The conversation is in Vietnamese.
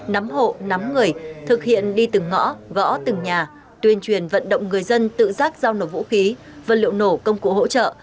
nắm hộ nắm người thực hiện đi từng ngõ gõ từng nhà tuyên truyền vận động người dân tự giác giao nổ vũ khí vật liệu nổ công cụ hỗ trợ